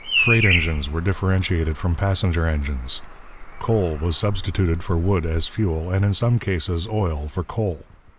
Freight engines were differentiated from passenger engines. Coal was substituted for wood as fuel, and in some cases oil for coal.